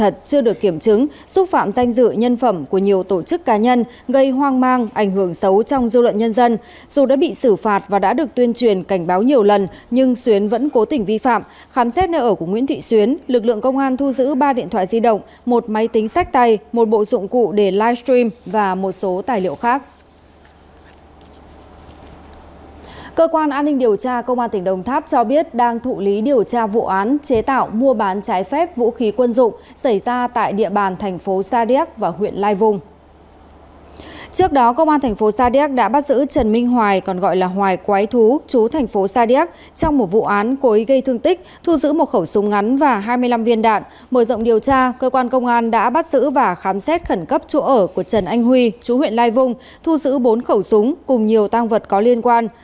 trong điều tra cơ quan công an đã bắt giữ và khám xét khẩn cấp chỗ ở của trần anh huy chú huyện lai vung thu giữ bốn khẩu súng cùng nhiều tang vật có liên quan